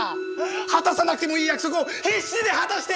果たさなくてもいい約束を必死で果たして！